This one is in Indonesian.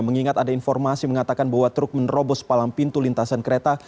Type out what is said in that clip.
mengingat ada informasi mengatakan bahwa truk menerobos palang pintu lintasan kereta